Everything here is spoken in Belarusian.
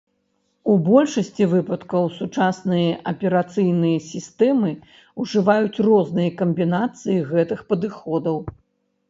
У большасці выпадкаў сучасныя аперацыйныя сістэмы ужываюць розныя камбінацыі гэтых падыходаў.